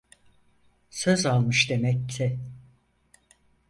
Söz almış demekti…